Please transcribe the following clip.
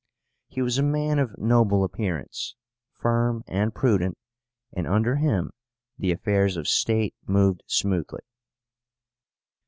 He was a man of noble appearance, firm and prudent, and under him the affairs of state moved smoothly.